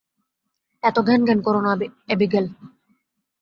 এত ঘ্যানঘ্যান করো না, অ্যাবিগেল!